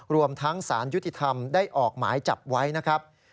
รวมทั้งสารยุติธรรมได้ออกหมายจับไว้นะครับ